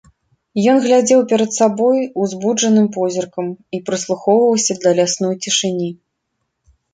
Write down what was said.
Ён глядзеў перад сабой узбуджаным позіркам і прыслухоўваўся да лясной цішыні.